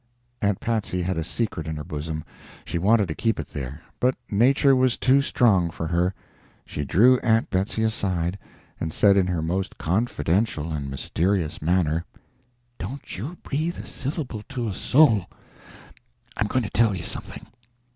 Aunt Patsy had a secret in her bosom; she wanted to keep it there, but nature was too strong for her. She drew Aunt Betsy aside, and said in her most confidential and mysterious manner: "Don't you breathe a syllable to a soul I'm going to tell you something.